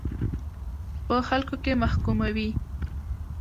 په خلکو کې محکوموي.